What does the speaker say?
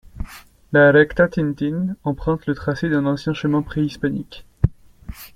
La recta Tin Tin emprunte le tracé d'un ancien chemin préhispanique.